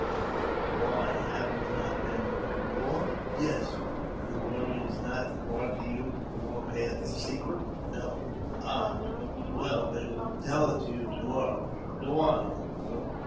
" Why, have you not been to war ?"'' Yes." Did the warriors not impart to you the war path secret ?" "No." " Ah ! well, they will tell it you to morrow. Go on, my brother."